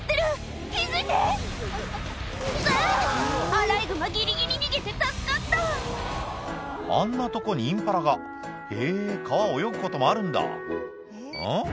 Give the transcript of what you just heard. アライグマギリギリ逃げて助かったあんなとこにインパラがへぇ川を泳ぐこともあるんだうん？